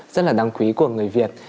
rất là đáng quý của người việt